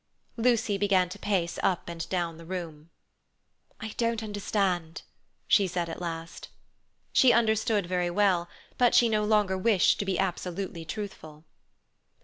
Lucy began to pace up and down the room. "I don't understand," she said at last. She understood very well, but she no longer wished to be absolutely truthful.